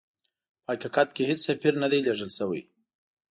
په حقیقت کې هیڅ سفیر نه دی لېږل سوی.